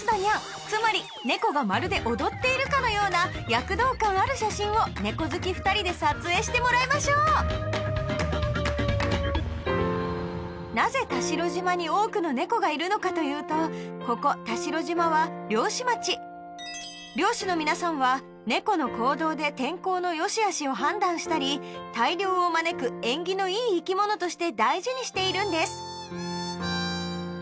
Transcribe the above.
つまり猫がまるで踊っているかのような躍動感ある写真を猫好き２人で撮影してもらいましょうなぜ田代島に多くの猫がいるのかというとここ田代島は漁師町漁師の皆さんは猫の行動で天候のよしあしを判断したり大漁を招く縁起のいい生き物として大事にしているんです